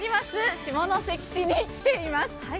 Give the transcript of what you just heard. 下関市に来ています。